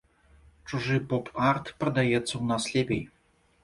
Чужы поп-арт прадаецца ў нас лепей.